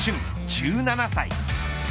１７歳。